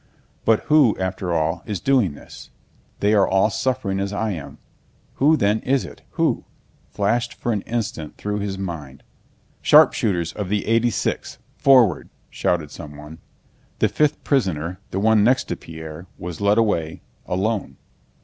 "But who, after all, is doing this? They are all suffering as I am. Who then is it? Who?" flashed for an instant through his mind. "Sharpshooters of the 86th, forward!" shouted someone. The fifth prisoner, the one next to Pierre, was led away—alone.